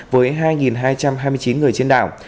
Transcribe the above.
với hai hai trăm hai mươi chín người trên đảo